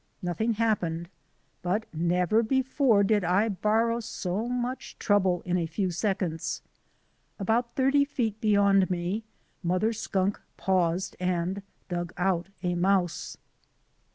Nothing happened, but never before did I borrow so much trouble in a few seconds. About thirty feet beyond me Mother Skunk paused and dug out a mouse.